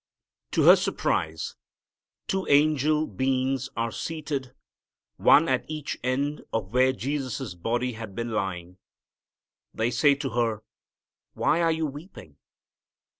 To her surprise two angel beings are seated, one at each end of where Jesus' body had been lying. They say to her, "Why are you weeping?"